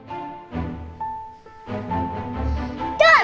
jangan lupa subscribe channel ini